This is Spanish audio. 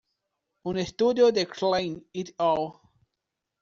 Un estudio de Klein "et al.